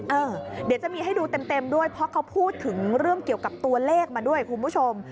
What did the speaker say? เดี๋ยวจะมีให้ดูเต็มด้วยเพราะเขาพูดถึงเรื่องเกี่ยวกับตัวเลขมาด้วยคุณผู้ชม